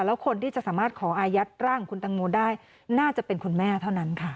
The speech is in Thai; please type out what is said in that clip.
แล้วคนที่จะสามารถขออายัดร่างของคุณตังโมได้น่าจะเป็นคุณแม่เท่านั้นค่ะ